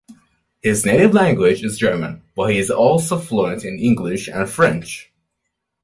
His native language is German, but he is also fluent in English and French.